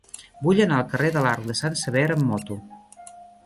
Vull anar al carrer de l'Arc de Sant Sever amb moto.